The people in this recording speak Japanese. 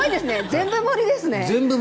全部盛りですね。